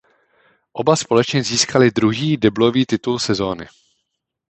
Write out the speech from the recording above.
Oba společně získali druhý deblový titul sezóny.